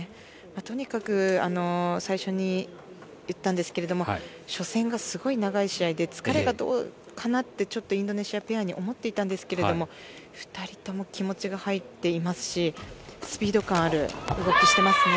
とにかく最初に言ったんですが初戦がすごい長い試合で疲れがどうかな？ってちょっとインドネシアペアに思っていたんですけど２人とも気持ちが入っていますしスピード感ある動きをしてますね。